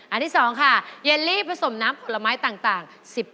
อันที่สองค่ะเยลลี่ผสมน้ำปลาไม้ต่าง๑๐